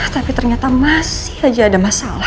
tapi ternyata masih saja ada masalah